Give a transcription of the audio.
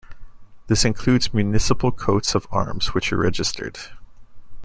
This includes municipal coats of arms which are registered.